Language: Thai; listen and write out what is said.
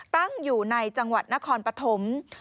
ตั้งอยู่ในจังหวัดนครปฐม